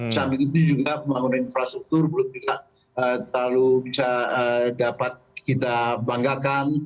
sambil itu juga pembangunan infrastruktur belum juga terlalu bisa dapat kita banggakan